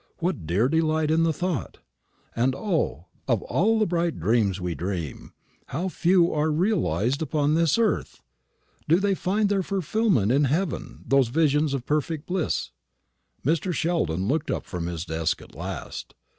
what dear delight in the thought! And O, of all the bright dreams we dream, how few are realised upon this earth! Do they find their fulfilment in heaven, those visions of perfect bliss? Mr. Sheldon looked up from his desk at last.